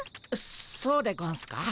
そうでゴンスか？